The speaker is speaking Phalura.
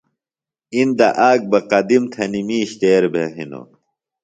اِندہ آک بہ قدِم تھنیۡ مِیش تیر بھےۡ ہِنوۡ